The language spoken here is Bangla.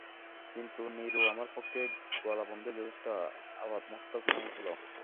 কিন্তু, নীরু, আমার পক্ষে গলাবন্ধই যথেষ্ট– আপাদমস্তক নাই হল।